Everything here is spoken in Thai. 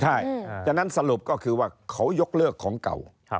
ใช่ฉะนั้นสรุปก็คือว่าเขายกเลิกของเก่า